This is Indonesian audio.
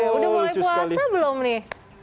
udah mulai puasa belum nih